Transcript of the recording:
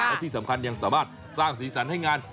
และที่สำคัญยังสามารถสร้างสีสันให้งาน